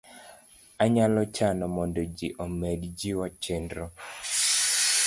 Anyalo chano mondo ji omed jiwo chenro